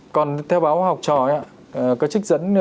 còn theo báo học trò có trích dẫn